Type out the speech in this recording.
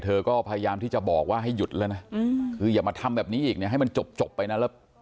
เธอก็พยายามที่จะบอกว่าให้หยุดแล้วนะคืออย่ามาทำแบบนี้อีกเนี่ยให้มันจบไปนะแล้ว